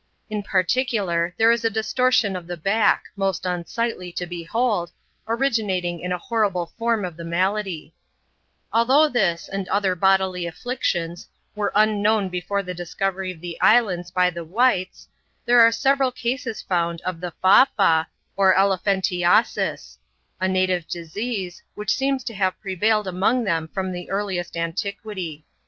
In particular, re is a distortion of the back, most unsightly to behold, rinating in a horrible form of the malady, y though this, and other bodily afflictions, were unknown be 3 the discovery of the islands by the whites, there are several es found of the Fa Fa, or Elephantiasis — a native disease, ich seems to have prevailed among them from the earliest iquity.